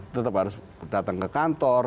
tetap harus datang ke kantor